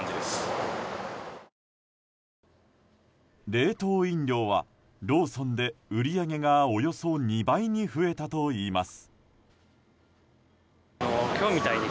冷凍飲料はローソンで売り上げがおよそ２倍に増えたといいます。